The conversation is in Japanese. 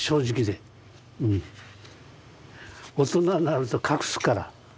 大人になると隠すから。